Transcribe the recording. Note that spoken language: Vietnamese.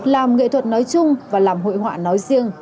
làm nghệ thuật nói chung và làm hội họa nói riêng